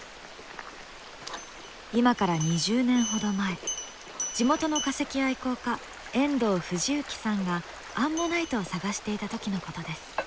今から２０年ほど前地元の化石愛好家遠藤富士幸さんがアンモナイトを探していた時のことです。